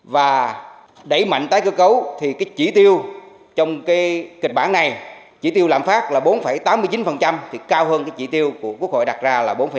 và đẩy mạnh tái cơ cấu thì chỉ tiêu trong kịch bản này chỉ tiêu làm phát là bốn tám mươi chín thì cao hơn chỉ tiêu của quốc hội đặt ra